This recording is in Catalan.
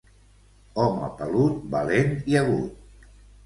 Home pelut, valent i agut.